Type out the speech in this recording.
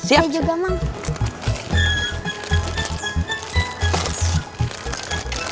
saya juga mak